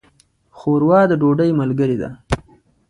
ښوروا د ډوډۍ ملګرې ده.